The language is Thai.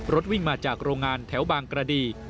วิ่งมาจากโรงงานแถวบางกระดี